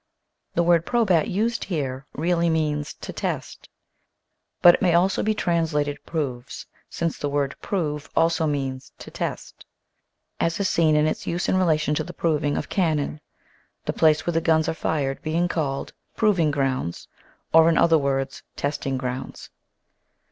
The word probat used here really means to test, but it may be translated proves, since the word prove also means to test, as is seen in its use in relation to the proving of cannon, the place where the guns are fired being called "proving" grounds, or in other words, testing grounds.